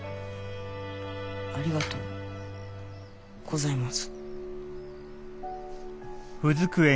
ありがとうございます。